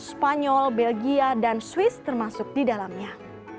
spanyol belgia dan swiss termasuk di dalamnya